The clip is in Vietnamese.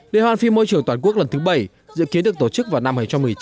liên hoan phim môi trường toàn quốc lần thứ bảy dự kiến được tổ chức vào năm hai nghìn một mươi chín